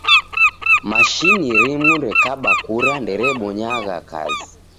Mashini rimu rekaba kura nderebonyagha kazi.